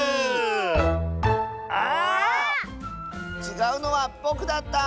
ちがうのはぼくだった！